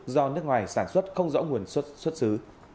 do nước ngoài sản xuất không rõ nguồn xuất xứ